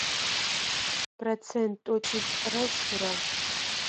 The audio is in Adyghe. Процент тӏокӏиплӏрэ щырэ .